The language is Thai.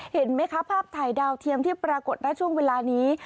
เห็นไหมคะภาพถ่ายดาวเทียมที่ปรากฏณช่วงเวลานี้